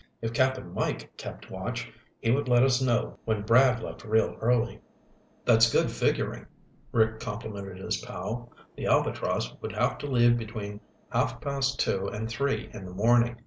If Cap'n Mike kept watch, he would let us know when Brad left real early." "That's good figuring," Rick complimented his pal. "The Albatross would have to leave between half past two and three in the morning.